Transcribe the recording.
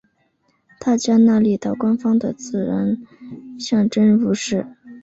大加那利岛官方的自然象征物是。